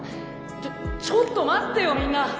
ちょちょっと待ってよみんな。